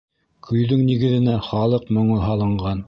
Көйҙөң нигеҙенә халыҡ моңо һалынған